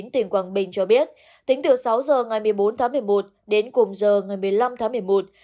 tỉnh quảng bình cho biết tính từ sáu giờ ngày một mươi bốn tháng một mươi một đến cùng giờ ngày một mươi năm tháng một mươi một